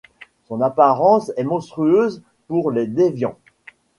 Son apparence est monstrueuse pour les Déviants.